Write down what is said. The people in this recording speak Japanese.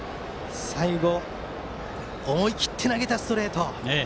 最後は、思い切って投げたストレート。